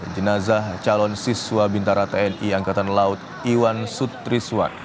jenazah calon siswa bintara tni angkatan laut iwan sutriswan